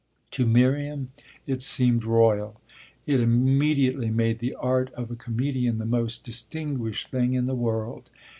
To Miriam it seemed royal; it immediately made the art of the comedian the most distinguished thing in the world.